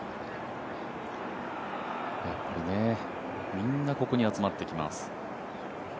みんなここに集まってきます。